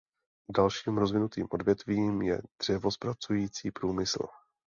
Dalším rozvinutým odvětvím je dřevozpracující průmysl.